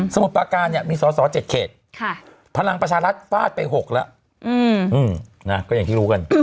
มุดประการเนี่ยมีสอสอ๗เขตพลังประชารัฐฟาดไป๖แล้วก็อย่างที่รู้กัน